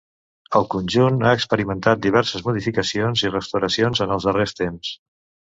El conjunt ha experimentat diverses modificacions i restauracions en els darrers temps.